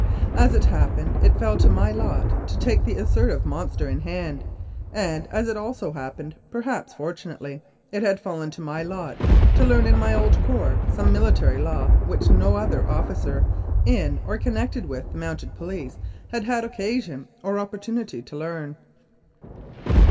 As it happened, it fell to my lot to take the self assertive monster in hand, and, as it also happened, perhaps fortunately, it had fallen to my lot to learn in my old corps some military law which no other officer in, or connected with, the Mounted Police had had occasion or opportunity to learn.